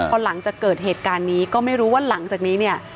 พอหลังจากเกิดเหตุการณ์นี้ก็ไม่รู้ว่าหลังจากนี้เนี่ย